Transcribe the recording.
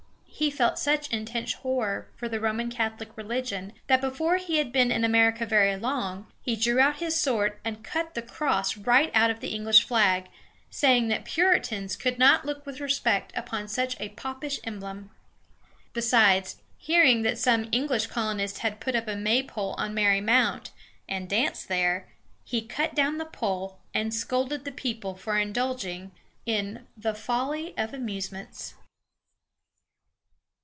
He felt such intense horror for the Roman Catholic religion that before he had been in America very long, he drew out his sword and cut the cross right out of the English flag, saying that Puritans could not look with respect upon such a popish emblem. Besides, hearing that some English colonists had put up a Maypole on Merry Mount, and danced there, he cut down the pole and scolded the people for indulging in "the folly of amusements."